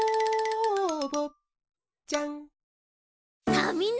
さあみんな！